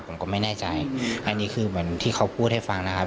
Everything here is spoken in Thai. ผมก็ไม่แน่ใจอันนี้คือเหมือนที่เขาพูดให้ฟังนะครับ